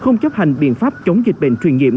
không chấp hành biện pháp chống dịch bệnh truyền nhiễm